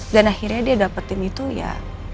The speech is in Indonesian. dan akhirnya dia dapetin itu ya